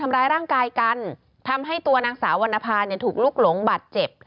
ทำร้ายร่างกายกันทำให้ตัวนางสาววรรณภาเนี่ยถูกลุกหลงบาดเจ็บ